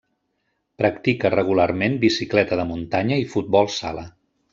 Practica regularment bicicleta de muntanya i futbol sala.